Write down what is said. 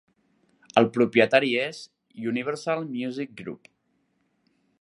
El propietari és Universal Music Group.